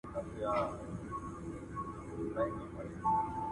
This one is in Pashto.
افغان نجوني د نړیوالو بشري حقونو ملاتړ نه لري.